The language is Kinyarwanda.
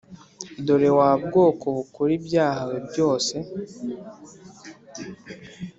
Dore wa bwoko bukora ibyaha we byose